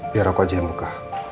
biar aku aja yang buka